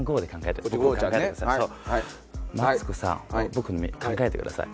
僕の目考えてください。